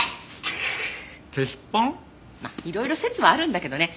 まあいろいろ説はあるんだけどね。